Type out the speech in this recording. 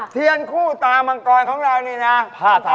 เทียนคู่ตามังกรของเรานี่นะ